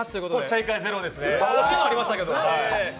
正解はゼロですね、惜しいのはありましたけど。